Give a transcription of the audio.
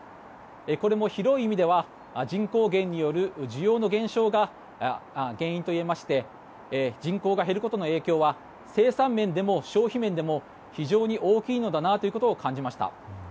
これも広い意味では人口減による需要の減少が原因といえまして人口が減ることの影響は生産面でも消費面でも非常に大きいのだなと感じました。